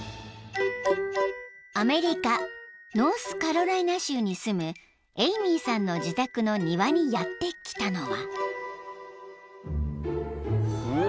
［アメリカノースカロライナ州に住むエイミーさんの自宅の庭にやって来たのは］